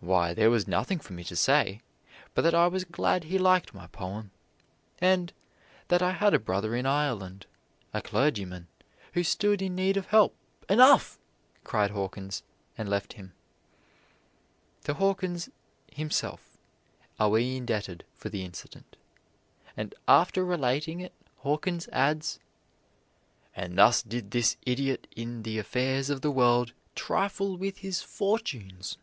"Why, there was nothing for me to say, but that I was glad he liked my poem, and that I had a brother in Ireland, a clergyman, who stood in need of help " "Enough!" cried Hawkins, and left him. To Hawkins himself are we indebted for the incident, and after relating it Hawkins adds: "And thus did this idiot in the affairs of the world trifle with his fortunes!"